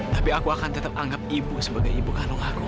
tapi aku akan tetap anggap ibu sebagai ibu kandung aku